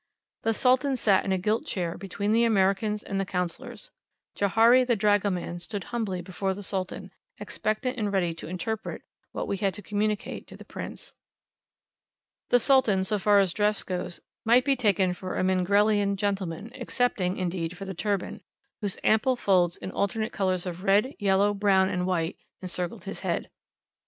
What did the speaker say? The Sultan sat in a gilt chair between the Americans and the councillors. Johari the dragoman stood humbly before the Sultan, expectant and ready to interpret what we had to communicate to the Prince. The Sultan, so far as dress goes, might be taken for a Mingrelian gentleman, excepting, indeed, for the turban, whose ample folds in alternate colours of red, yellow, brown, and white, encircled his head.